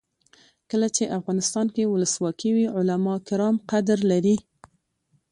کله چې افغانستان کې ولسواکي وي علما کرام قدر لري.